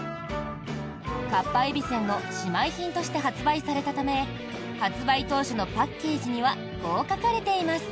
かっぱえびせんの姉妹品として発売されたため発売当初のパッケージにはこう書かれています。